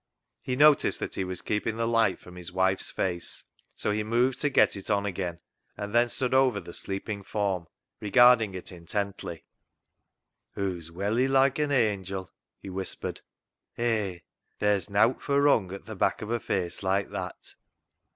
He noticed that he was keeping the light from his wife's face, so he moved to get it on FOR BETTER, FOR WORSE 177 again, and then stood over the sleeping form regarding it intently. " Hoo's welly loike an angil," he whispered. " Hey, theer's nowt fur wrung at th' back of a face loike that."